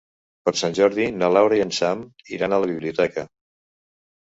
Per Sant Jordi na Laura i en Sam iran a la biblioteca.